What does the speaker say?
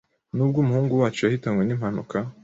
Nubwo umuhungu wacu yahitanywe n’impanuka